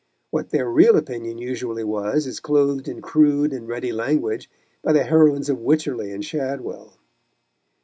What their real opinion usually was is clothed in crude and ready language by the heroines of Wycherley and Shadwell.